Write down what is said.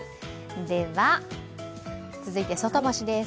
では、続いて外干しです。